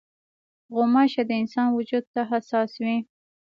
غوماشې د انسان وجود ته حساس وي.